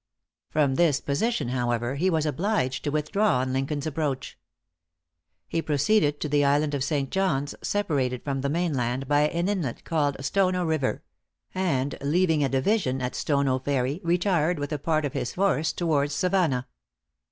From this position, however, he was obliged to withdraw on Lincoln's approach. He proceeded to the island of St. John's, separated from the mainland by an inlet called Stono River; and leaving a division at Stono Ferry, retired with a part of his force towards Savannah.